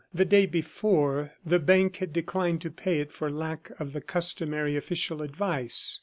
The day before, the bank had declined to pay it for lack of the customary official advice.